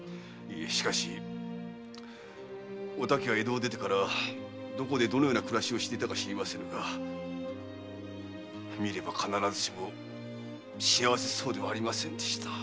しかしお竹が江戸を出てからどのような暮らしをしていたか知りませぬが見れば必ずしも幸せそうではありませんでした。